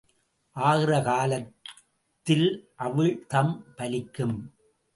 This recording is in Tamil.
ஆகிற காலத்தில் அவிழ்தம் பலிக்கும்.